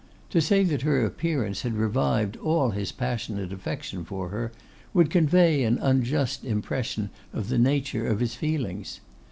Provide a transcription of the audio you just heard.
To say that her appearance had revived all his passionate affection for her would convey an unjust impression of the nature of his feelings.